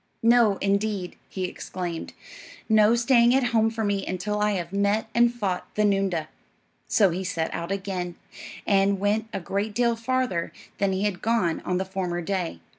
"No, indeed," he exclaimed; "no staying at home for me until I have met and fought the noondah." So he set out again, and went a great deal farther than he had gone on the former day.